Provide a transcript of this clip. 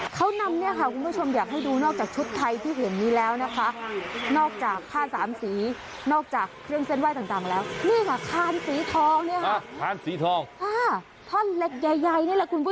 เขานำเนี้ยค่ะคุณผู้ชมอยากให้ดูนอกจากชุดไทยที่เห็นนี้แล้วนะคะนอกจากผ้าสามสีนอกจากเครื่องเส้นไหว้ต่างต่างแล้วนี่ค่ะคานสีทองเนี้ยค่ะ